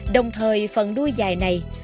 đồng thời phần đuôi dài này